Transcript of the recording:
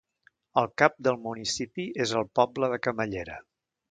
El cap del municipi és el poble de Camallera.